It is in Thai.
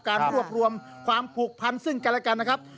การรวบรวมความผูกพันซึ่งกันและกันนะครับ